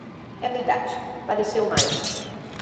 É verdade, padeceu mais.